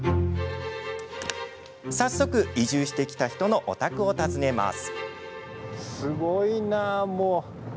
早速、移住してきた人のお宅を訪ねます。